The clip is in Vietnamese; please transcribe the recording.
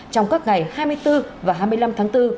trong các ngày hai mươi bốn và hai mươi năm tháng bốn